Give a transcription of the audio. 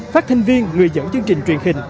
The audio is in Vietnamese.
phát thanh viên người dẫn chương trình truyền hình